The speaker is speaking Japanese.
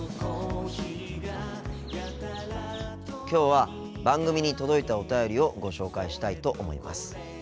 きょうは番組に届いたお便りをご紹介したいと思います。